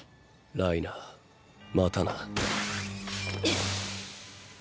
ライナーまたな。